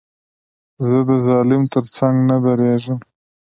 زه د ظالم تر څنګ نه درېږم.